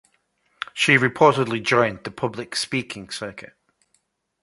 She reportedly joined the public speaking circuit.